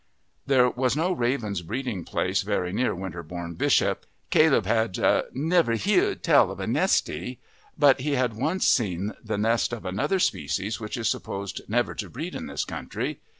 There was no ravens' breeding place very near Winterbourne Bishop. Caleb had "never heared tell of a nestie"; but he had once seen the nest of another species which is supposed never to breed in this country.